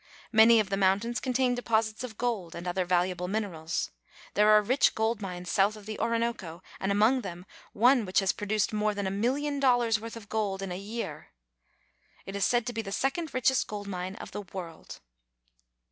Many of the mountains contain deposits of gold and other valuable minerals. There are rich gold mines south of the Orinoco, and among them one which has produced more than a million dollars' worth of gold in a year. It is said to be the second richest gold mine of the world.